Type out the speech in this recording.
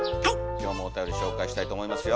今日もおたより紹介したいと思いますよ。